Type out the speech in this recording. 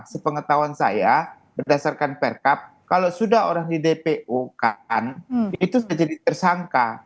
sepengetahuan saya berdasarkan perkap kalau sudah orang di dpo kan itu sudah jadi tersangka